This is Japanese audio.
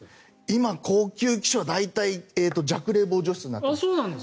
今、高級機種は大体弱冷房除湿になっています。